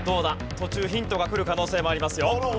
途中ヒントが来る可能性もありますよ。